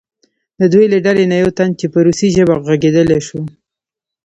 د دوی له ډلې نه یو تن چې په روسي ژبه غږېدلی شو.